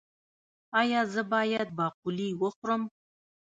ایا زه باید باقلي وخورم؟